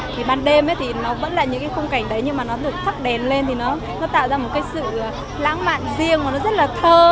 thì ban đêm thì nó vẫn là những cái khung cảnh đấy nhưng mà nó được thắp đèn lên thì nó tạo ra một cái sự lãng mạn riêng và nó rất là thơ